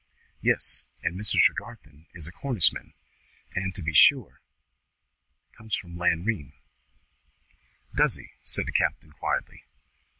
"Yes! And Mr. Tregarthen is a Cornishman, and to be sure! comes from Lanrean." "Does he?" said the captain quietly.